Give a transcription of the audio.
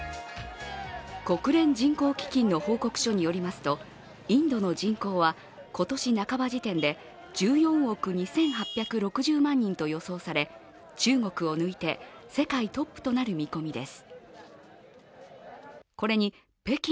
国連人口基金の報告書によりますと、インドの人口は今年半ば時点で１４億２８６０万人と予想され中国を抜いて世界トップとなる見込みです。